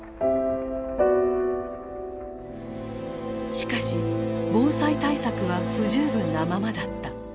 しかし防災対策は不十分なままだった。